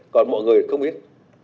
còn mọi người không biết